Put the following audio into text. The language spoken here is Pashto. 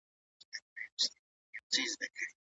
که په خوړو کي مصالحې ډېرې وي نو په معده کي سوزش پیدا کوي.